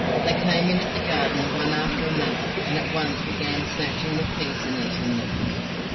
They came into the garden one after another, and at once began snatching the peas and eating them.